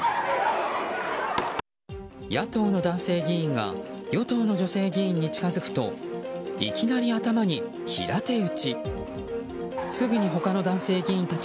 野党の男性議員が与党の女性議員に近づくといきなり頭に平手打ち。